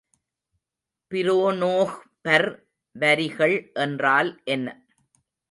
பிரோனோஃபர் வரிகள் என்றால் என்ன?